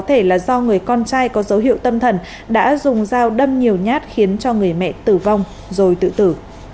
có thể là do người con trai có dấu hiệu tâm thần đã dùng dao đâm nhiều nhát khiến cho người mẹ tử vong rồi tự tử